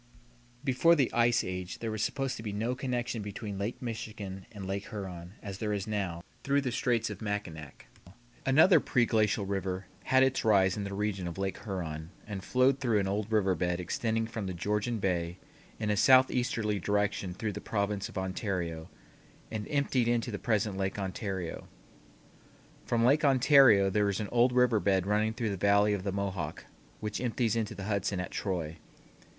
Before the ice age there was supposed to be no connection between Lake Michigan and Lake Huron, as there is now, through the Straits of Mackinac. Another preglacial river had its rise in the region of Lake Huron and flowed through an old river bed extending from the Georgian Bay in a southeasterly direction through the province of Ontario, and emptied into the present Lake Ontario. From Lake Ontario there is an old river bed running through the Valley of the Mohawk which empties into the Hudson at Troy.